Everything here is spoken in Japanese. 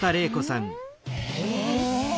え？